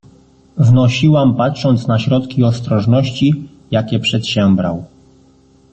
"Wnosiłam patrząc na środki ostrożności, jakie przedsiębrał."